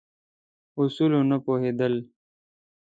اصولو نه پوهېدل.